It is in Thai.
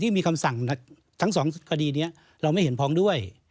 มีคำสั่งทั้งสองคดีนี้เราไม่เห็นพ้องด้วย